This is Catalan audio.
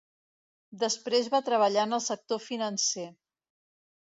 Després va treballar en el sector financer.